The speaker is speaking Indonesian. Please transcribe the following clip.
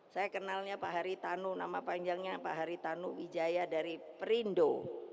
saya kenalnya pak haritanu nama panjangnya pak haritanu wijaya dari perindo